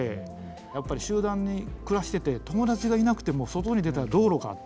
やっぱり集団に暮らしてて友達がいなくても外に出たら道路があって。